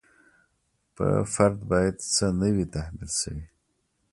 په فرد باید څه نه وي تحمیل شوي.